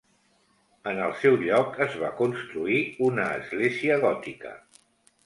En el seu lloc es va construir una església gòtica.